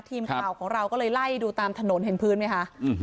ทีมข่าวของเราก็เลยไล่ดูตามถนนเห็นพื้นไหมคะ